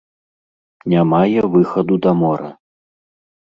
Не мае выхаду да мора.